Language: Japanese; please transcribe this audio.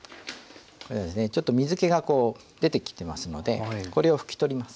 ちょっと水けが出てきてますのでこれを拭き取ります。